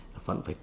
vẫn phải cố gắng